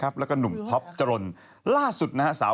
กระเทยเก่งกว่าเออแสดงความเป็นเจ้าข้าว